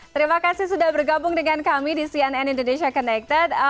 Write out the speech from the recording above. terima kasih sudah bergabung dengan kami di cnn indonesia connected